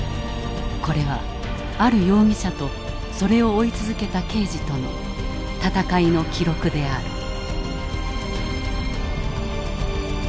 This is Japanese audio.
これはある容疑者とそれを追い続けた刑事との戦いの記録である。